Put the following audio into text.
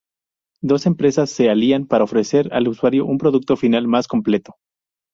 Dos empresas se alían para ofrecer al usuario un producto final más completo.